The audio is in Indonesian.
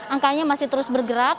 angkanya masih terus bergerak